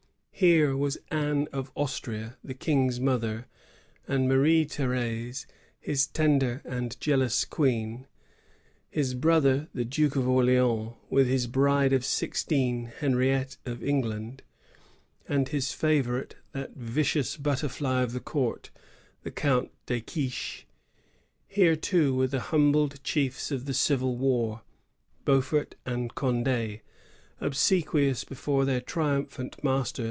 Here was Anne of Austria, the King's mother, and Marie Th^rdse, his tender and jealous queen; his brother, the Duke of Orleans, with his bride of six > teen, Henriette of England; and his favorite, that vicious butterfly of the court, the Count de Quiche. Here, too, were the humbled chiefs of the civil war, Beaufort and Cond^, obsequious before their triumph ant master.